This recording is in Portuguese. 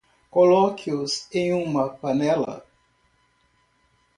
Coloque-os em uma panela.